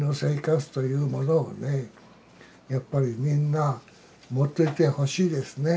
やっぱりみんな持っといてほしいですね。